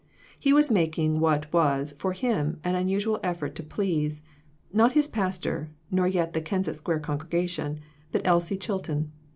He was making what was, for him, an unusual effort to please not his pastor, nor yet the Kensett Square congregation, but Elsie Chilton.